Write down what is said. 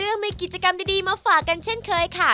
ยังมีกิจกรรมดีมาฝากกันเช่นเคยค่ะ